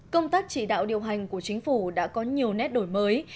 công tác chỉ đạo điều hành của chính phủ đã có nhiều nét đổi mới